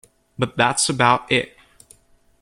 But that's about it.